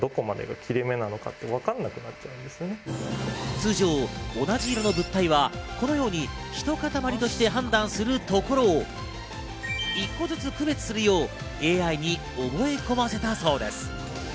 通常、同じ色の物体はこのように、ひとかたまりとして判断するところを１個ずつ区別するようにＡＩに覚え込ませたそうです。